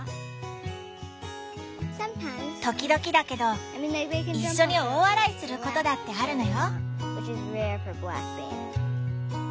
時々だけどいっしょに大笑いすることだってあるのよ。